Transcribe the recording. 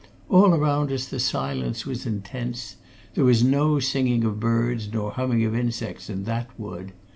All around us the silence was intense; there was no singing of birds nor humming of insects in that wood.